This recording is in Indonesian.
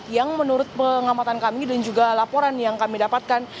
yang menurut pengamatan kami dan juga laporan yang kami dapatkan